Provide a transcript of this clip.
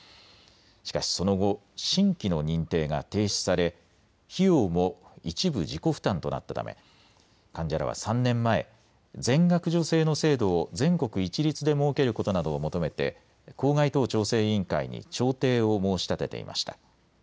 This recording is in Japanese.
しかしその後、新規の認定が停止され、費用も一部自己負担となったため患者らは３年前、全額助成の制度を全国一律で設けることなどを求めて公害等調整委員会に調停を申し立てていました。